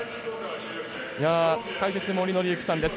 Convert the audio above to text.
解説、森紀之さんです。